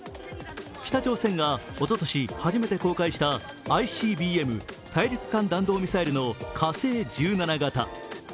北朝鮮がおととし初めて公開したＩＣＢＭ＝大陸間弾道ミサイルの火星１７型。